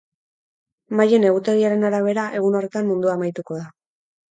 Maien egutegiaren arabera, egun horretan mundua amaituko da.